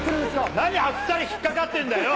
何あっさり引っ掛かってんだよ。